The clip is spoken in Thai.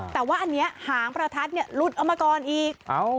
แต่ว่าอันนี้หางประทัดหลุดออกมาก่อนอีก